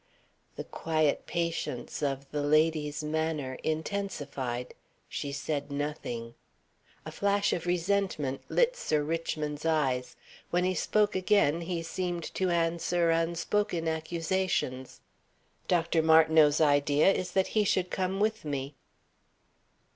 The quiet patience of the lady's manner intensified. She said nothing. A flash of resentment lit Sir Richmond's eyes. When he spoke again, he seemed to answer unspoken accusations. "Dr. Martineau's idea is that he should come with me."